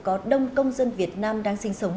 có đông công dân việt nam đang sinh sống